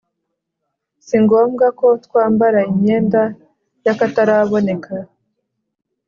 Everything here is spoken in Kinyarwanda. Si ngombwa ko twambara imyenda y akataraboneka